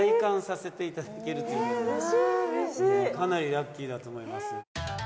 かなりラッキーだと思います。